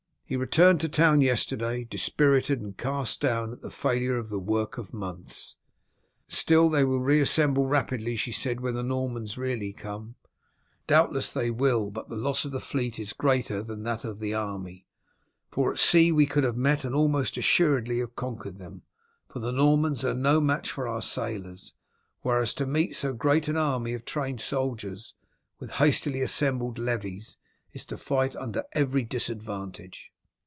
He returned to town yesterday dispirited and cast down at the failure of the work of months." "Still they will reassemble rapidly," she said, "when the Normans really come?" "Doubtless they will. But the loss of the fleet is greater than that of the army, for at sea we could have met and almost assuredly have conquered them, for the Normans are no match for our sailors; whereas to meet so great an army of trained soldiers, with hastily assembled levies, is to fight under every disadvantage."